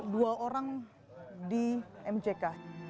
dua orang di mck